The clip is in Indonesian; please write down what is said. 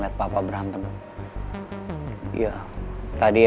ya contohnya muito dan duyung dryer